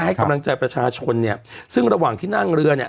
ให้กำลังใจประชาชนเนี่ยซึ่งระหว่างที่นั่งเรือเนี่ย